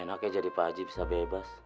enaknya jadi pak haji bisa bebas